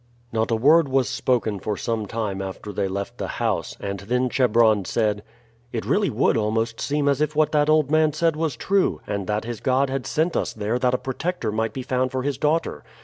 Not a word was spoken for some time after they left the house, and then Chebron said: "It really would almost seem as if what that old man said was true, and that his God had sent us there that a protector might be found for his daughter.